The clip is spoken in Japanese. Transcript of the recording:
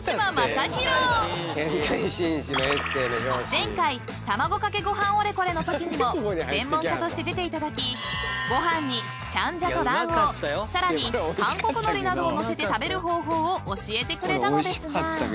［前回たまごかけごはんオレコレのときにも専門家として出ていただきご飯にチャンジャと卵黄さらに韓国海苔などを載せて食べる方法を教えてくれたのですが］